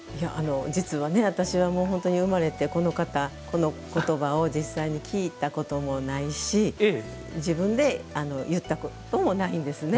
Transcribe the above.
実は私は、生まれてこの方このことばを実際に聞いたこともないし自分で言ったこともないんですね。